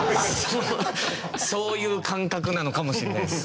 そういう感覚なのかもしれないです。